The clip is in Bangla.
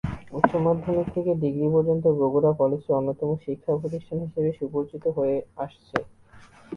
উচ্চ মাধ্যমিক থেকে ডিগ্রী পর্যন্ত বগুড়া কলেজটি অন্যতম শিক্ষা প্রতিষ্ঠান হিসাবে সুপরিচিত হয়ে আসছে।